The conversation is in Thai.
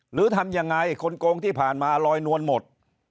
หรือทำยังไงคนโกงที่ผ่านมาลอยนวลหมด